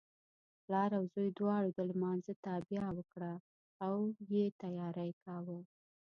پلار او زوی دواړو د لمانځه تابیا وکړه او یې تیاری کاوه.